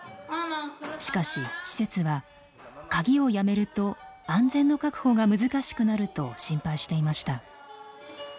しかし施設は鍵をやめると安全の確保が難しくなると心配していました。